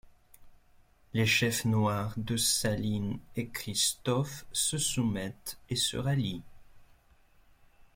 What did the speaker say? Les chefs noirs Dessalines et Christophe se soumettent et se rallient.